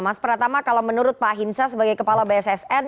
mas pratama kalau menurut pak hinsa sebagai kepala bssn